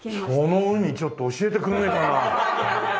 その海ちょっと教えてくれねえかな？